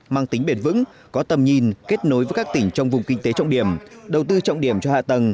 mang tính bền vững có tầm nhìn kết nối với các tỉnh trong vùng kinh tế trọng điểm đầu tư trọng điểm cho hạ tầng